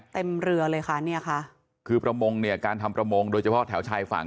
เต็มเรือเลยค่ะเนี่ยค่ะคือประมงเนี่ยการทำประมงโดยเฉพาะแถวชายฝั่ง